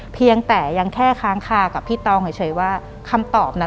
หลังจากนั้นเราไม่ได้คุยกันนะคะเดินเข้าบ้านอืม